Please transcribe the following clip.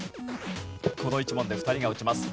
この１問で２人が落ちます。